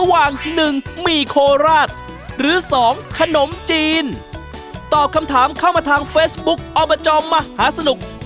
ตอนนี้ลงท้ายด้วย๙ใช่ไหม